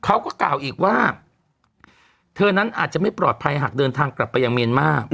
เขาก็กล่าวอีกว่าเธอนั้นอาจจะไม่ปลอดภัยหากเดินทางกลับไปยังเมียนมาร์